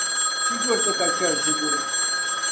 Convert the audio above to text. Chi guri ti ka chɛri ʒiduli.